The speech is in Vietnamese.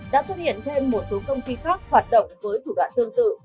đã xuất hiện thêm một số công ty khác hoạt động với thủ đoạn tương tự